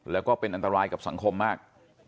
แล้วก็เป็นอันตรายกับสังคมมาก